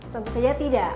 tentu saja tidak